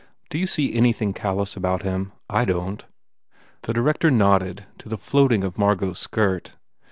"Do you see anything callous about him? I don t ." The director nodded to the floating o f Margot s skirt.